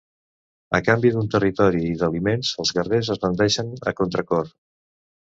A canvi d'un territori i d'aliments, els guerrers es rendeixen a contra cor.